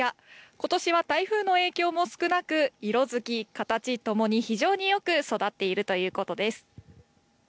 ことしは台風の影響も少なく色づき、形ともに非常によく育っているということです。